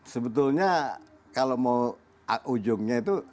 sebetulnya kalau mau ujungnya itu